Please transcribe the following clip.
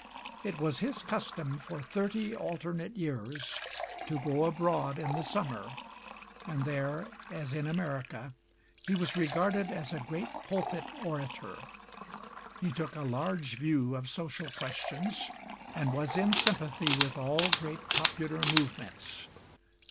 It was his custom for thirty alternate years to go abroad in the summer, and there, as in America, he was regarded as a great pulpit orator. He took a large view of social questions and was in sympathy with all great popular movements.